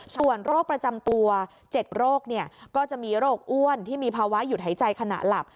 ส่วนโรคประจำตัว๗โรคก็จะมีโรคอ้วนที่มีภาวะหยุดหายใจขณะหลับ